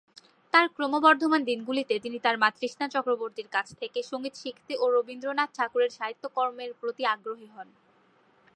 তার ক্রমবর্ধমান দিনগুলিতে তিনি তার মা তৃষ্ণা চক্রবর্তীর কাছ থেকে সঙ্গীত শিখতে ও রবীন্দ্রনাথ ঠাকুরের সাহিত্যকর্মের প্রতি আগ্রহী হন।